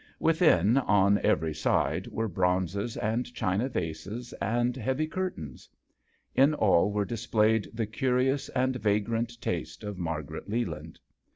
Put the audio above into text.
Within on every side were bronzes and china vases and heavy curtains. In all were dis played the curious and vagrant taste of Margaret Leland.